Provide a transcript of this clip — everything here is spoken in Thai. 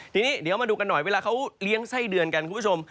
ทีนี้เดี๋ยวมาดูกันหน่อยเวลาเขาเลี้ยงไส้เดือนกันคุณผู้ชม